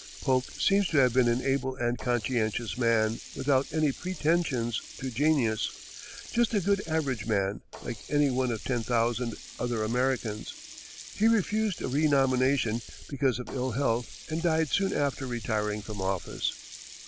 Polk seems to have been an able and conscientious man, without any pretensions to genius just a good, average man, like any one of ten thousand other Americans. He refused a renomination because of ill health, and died soon after retiring from office.